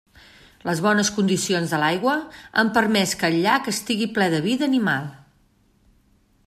Les bones condicions de l'aigua han permès que el llac estigui ple de vida animal.